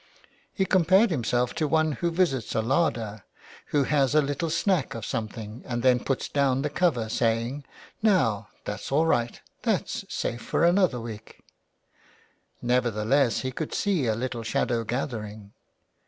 He compared himself to one who visits a larder, who has a little snack of some thing and then puts down the cover, saying, ^' Now that's all right, that's safe for another week." Nevertheless he could see a little shadow gathering.